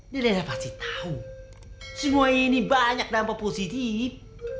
dede pasti tahu semua ini banyak dampak positif